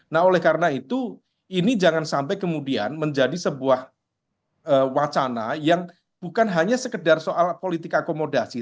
nah oleh karena itu ini jangan sampai kemudian menjadi sebuah wacana yang bukan hanya sekedar soal politik akomodasi